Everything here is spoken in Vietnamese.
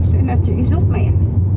thế là chị giúp mẹ